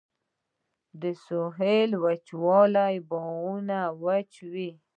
د سویل وچکالي باغونه وچوي